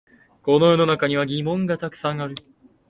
この世の中には疑問がたくさんある